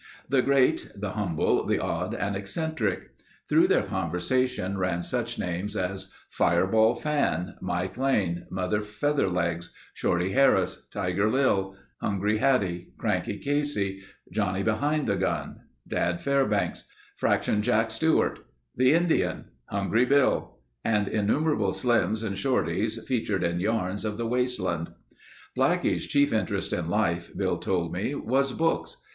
The great, the humble, the odd and eccentric. Through their conversation ran such names as Fireball Fan; Mike Lane; Mother Featherlegs; Shorty Harris; Tiger Lil; Hungry Hattie; Cranky Casey; Johnny Behind the Gun; Dad Fairbanks; Fraction Jack Stewart; the Indian, Hungry Bill; and innumerable Slims and Shortys featured in yarns of the wasteland. Blackie's chief interest in life, Bill told me was books.